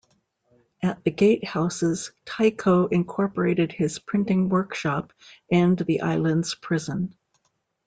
At the gatehouses, Tycho incorporated his printing workshop and the island's prison.